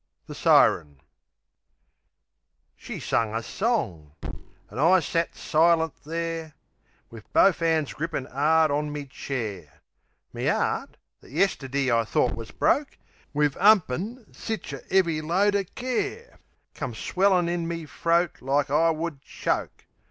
The Siren She sung a song; an' I sat silent there, Wiv bofe 'ands grippin' 'ard on me chair; Me 'eart, that yesterdee I thort wus broke Wiv 'umpin sich a 'eavy load o' care, Come swelling in me throat like I would choke.